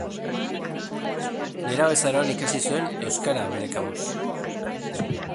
Nerabezaroan ikasi zuen euskara bere kabuz.